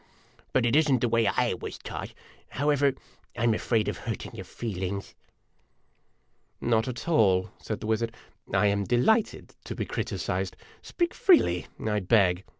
But it is n't the way / was taught. However, I 'm afraid of hurting your feelings." "Not at all," said the wizard. "I am delighted to be criticized. O Speak freely, I beg